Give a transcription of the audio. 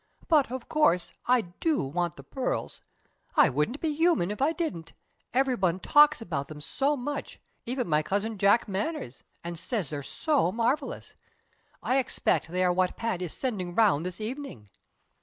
"But, of course, I do want the pearls! I wouldn't be human if I didn't; everyone talks about them so much, even my Cousin Jack Manners, and says they're so marvellous. I expect they are what Pat is sending around this evening."